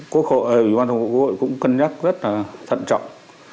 quốc hội cũng cân nhắc rất là thận trọng